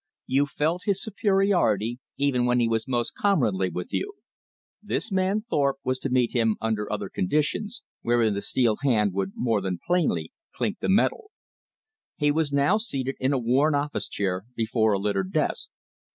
You felt his superiority even when he was most comradely with you. This man Thorpe was to meet under other conditions, wherein the steel hand would more plainly clink the metal. He was now seated in a worn office chair before a littered desk.